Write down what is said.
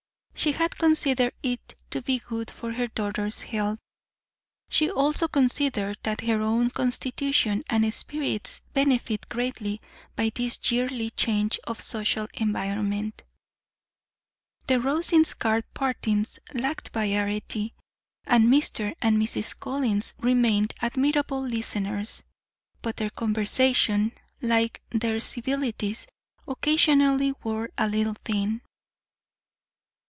She had considered it to be good for her daughter's health; she also considered that her own constitution and spirits benefited greatly by this yearly change of social environment. The Rosings' card parties lacked variety. Mr. and Mrs. Collins remained admirable listeners, but their conversation, like their civilities, occasionally wore a little thin.